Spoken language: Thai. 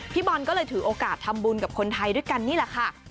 บอลก็เลยถือโอกาสทำบุญกับคนไทยด้วยกันนี่แหละค่ะ